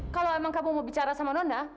kalau emang kamu mau bicara sama nona